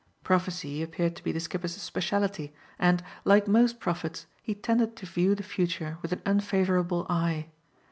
Prophecy appeared to be the skipper's speciality and, like most prophets, he tended to view the future with an unfavourable eye.